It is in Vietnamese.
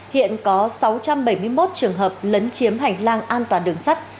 hiện có sáu trăm bảy mươi một trường hợp lấn chiếm hành lang an toàn đường sắt